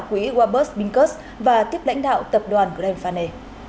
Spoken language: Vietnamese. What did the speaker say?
quỹ warburg binkers và tiếp lãnh đạo tập đoàn grenfane